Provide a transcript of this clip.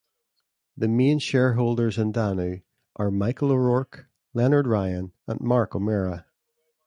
The main shareholders in Danu are Michael O'Rourke, Leonard Ryan, and Mark O'Meara.